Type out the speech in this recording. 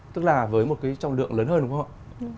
tức là với một cái trọng lượng lớn hơn đúng không ạ